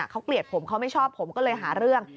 เขาเกลียดผมเขาไม่ชอบผมก็เลยหาเรื่อง